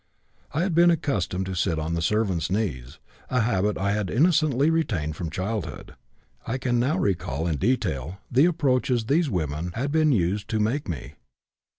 I had been accustomed to sit on the servants' knees, a habit I had innocently retained from childhood; I can now recall in detail the approaches these women had been used to make me.